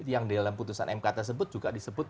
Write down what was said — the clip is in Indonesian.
yang dalam putusan mk tersebut juga disebut